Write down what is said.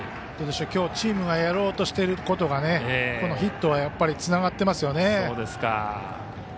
きょう、チームがやろうとしていることがこのヒットはつながってますよね。